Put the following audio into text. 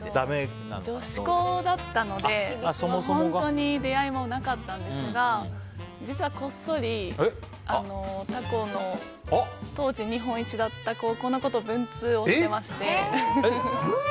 女子校だったので本当に出会いもなかったんですが実はこっそり、他校の当時日本一だった高校の子と文通をしてまして。